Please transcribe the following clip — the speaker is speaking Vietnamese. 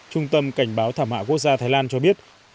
trung tâm cảnh báo thảm họa quốc gia thái lan cho biết